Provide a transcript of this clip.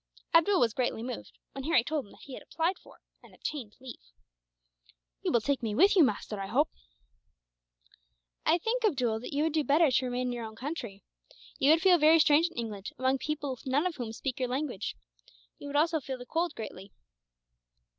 Abdool was greatly moved, when Harry told him that he had applied for and obtained leave. "You will take me with you, master, I hope?" "I think, Abdool, that you would do better to remain in your own country. You would feel very strange in England, among people none of whom speak your language. You would also feel the cold, greatly."